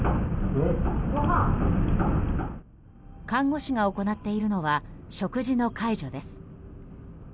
看護師が行っているのは食事の介助です。